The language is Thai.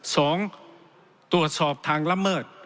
สองตรวจสอบทางละเมิด